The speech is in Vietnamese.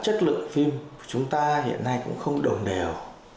chất lượng phim chúng ta hiện nay cũng không đồng đều